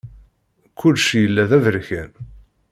Kullec yella d aberkan.